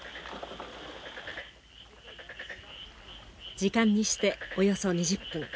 時間にしておよそ２０分。